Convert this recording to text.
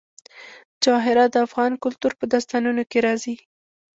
جواهرات د افغان کلتور په داستانونو کې راځي.